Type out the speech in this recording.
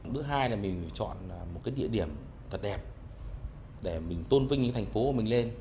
bước hai là mình phải chọn một địa điểm thật đẹp để mình tôn vinh thành phố của mình lên